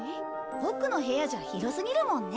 ボクの部屋じゃ広すぎるもんね。